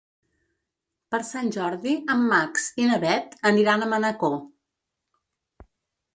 Per Sant Jordi en Max i na Bet aniran a Manacor.